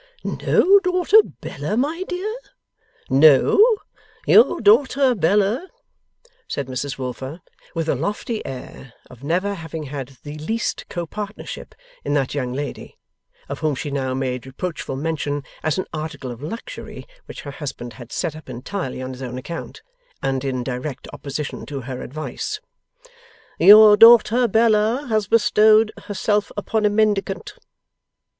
'No daughter Bella, my dear?' 'No. Your daughter Bella,' said Mrs Wilfer, with a lofty air of never having had the least copartnership in that young lady: of whom she now made reproachful mention as an article of luxury which her husband had set up entirely on his own account, and in direct opposition to her advice: ' your daughter Bella has bestowed herself upon a Mendicant.